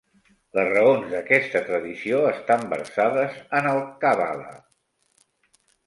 Les raons d'aquesta tradició estan versades en el Kabbalah.